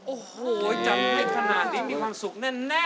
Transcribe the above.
โอ้โหจับจะเบ็ดขนาดนี้มีความสุขแน่น